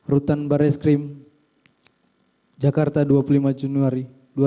rutan baris krim jakarta dua puluh lima juni dua ribu dua puluh tiga